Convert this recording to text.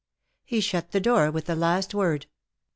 He shut the door with the last word.